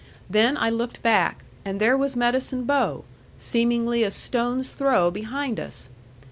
Then I looked back, and there was Medicine Bow, seemingly a stone's throw behind us.